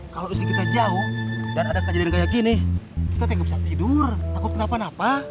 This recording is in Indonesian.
kalau istri kita jauh dan ada kejadian kayak gini kita tidak bisa tidur aku kenapa napa